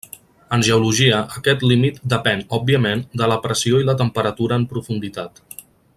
En geologia, aquest límit depèn, òbviament, de la pressió i la temperatura en profunditat.